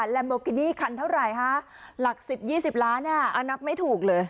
ลัมโบกินี่คันเท่าไหร่ฮะหลัก๑๐๒๐ล้านนับไม่ถูกเลย